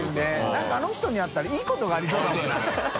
何かあの人に会ったらいいことがありそうだもんな。